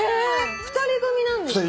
２人組なんですか？